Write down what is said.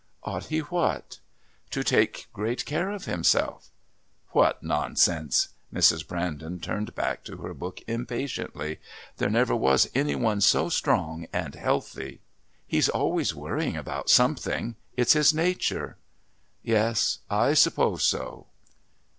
"Ought he what?" "To take great care of himself." "What nonsense!" Mrs. Brandon turned back to her book impatiently. "There never was any one so strong and healthy." "He's always worrying about something. It's his nature." "Yes, I suppose so."